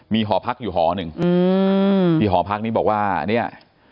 มีหอพักอยู่หอหนึ่งที่หอพักนี้บอกว่าเนี่ย